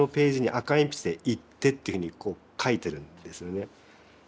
赤鉛筆で「行ッテ」っていうふうにこう書いてるんですよね。